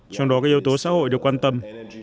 trong đó các yếu tố xã hội được quan tâm